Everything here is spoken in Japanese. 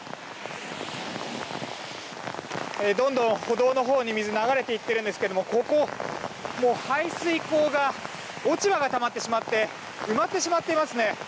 歩道のほうに水が流れていっていますがここ、排水溝がもう落ち葉がたまってしまって埋まってしまっていますね。